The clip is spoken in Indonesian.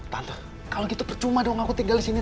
tante kalo gitu percuma dong aku tinggal disini